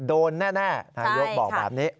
โดนแน่นายกบอกแบบนี้